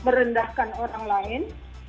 merendahkan orang lain